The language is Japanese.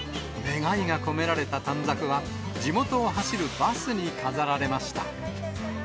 願いが込められた短冊は、地元を走るバスに飾られました。